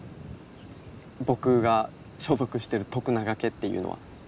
僕が所属してる徳永家っていうのは。